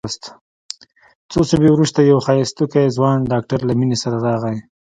څو شېبې وروسته يو ښايستوکى ځوان ډاکتر له مينې سره راغى.